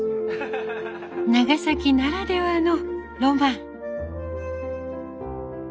長崎ならではのロマン。